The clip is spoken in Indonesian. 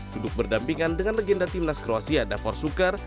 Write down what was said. duduk berdampingan dengan legenda tim nas kroasia davor sukar